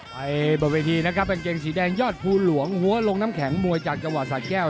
ไปบนเวทีนะครับกางเกงสีแดงยอดภูหลวงหัวลงน้ำแข็งมวยจากจังหวัดสะแก้ว